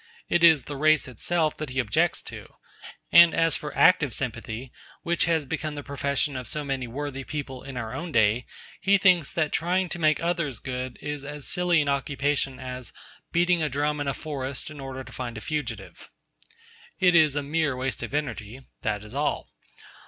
It is the race itself that he objects to; and as for active sympathy, which has become the profession of so many worthy people in our own day, he thinks that trying to make others good is as silly an occupation as 'beating a drum in a forest in order to find a fugitive.' It is a mere waste of energy. That is all.